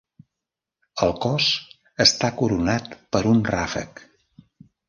El cos està coronat per un ràfec.